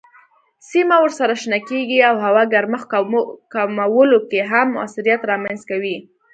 سیمه ورسره شنه کیږي او هوا ګرمښت کمولو کې هم موثریت رامنځ کوي.